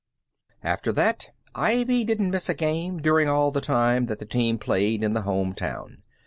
After that Ivy didn't miss a game during all the time that the team played in the home town.